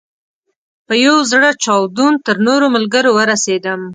په یو زړه چاودون تر نورو ملګرو ورسېدم.